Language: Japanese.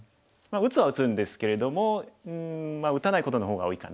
打つは打つんですけれども打たないことの方が多いかな。